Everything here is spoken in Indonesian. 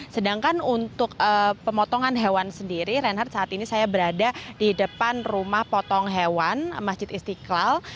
sedangkan untuk pemotongan hewan sendiri reinhardt saat ini saya berada di depan rumah potong hewan masjid istiqlal